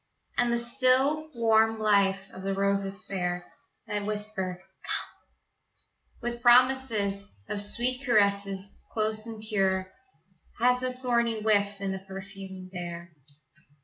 And the still, warm life of the roses fair That whisper "Come," With promises Of sweet caresses, close and pure Has a thorny whiff in the perfumed air.